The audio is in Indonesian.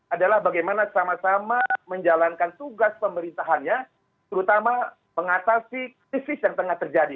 adalah bagaimana sama sama menjalankan tugas pemerintahannya terutama mengatasi krisis yang tengah terjadi